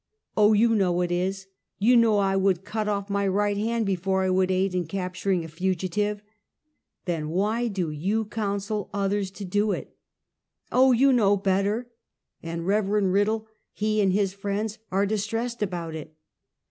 " "Oh you know it is! You know I would cut off my right hand, before I would aid in capturing a fugi tive." "Then why do you counsel others to do it?" " Oh you know better! and Kev. Riddle, he and his friends are distressed about it.